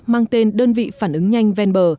mang tên đơn vị phản ứng nhanh ven bờ